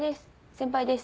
先輩です。